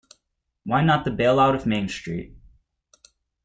Why not the bailout of Main Street?